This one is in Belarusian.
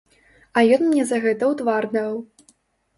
А ён мне за гэта ў твар даў.